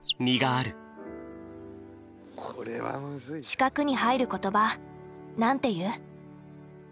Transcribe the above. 四角に入る言葉なんて言う？